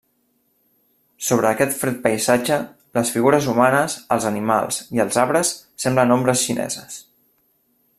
Sobre aquest fred paisatge les figures humanes, els animals i els arbres semblen ombres xineses.